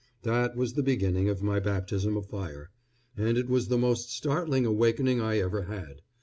That was the beginning of my baptism of fire, and it was the most startling awakening I ever had.